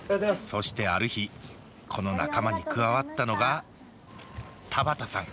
そしてある日この仲間に加わったのが田畑さん。